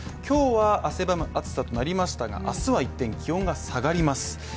今日は汗ばむ暑さとなりましたが明日は一転、気温が下がります。